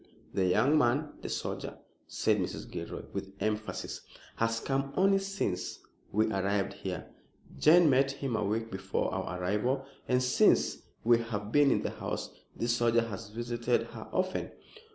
"The young man the soldier," said Mrs. Gilroy, with emphasis "has come only since we arrived here. Jane met him a week before our arrival, and since we have been in the house this soldier has visited her often."